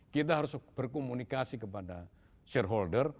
kita harus berkomunikasi kepada shareholder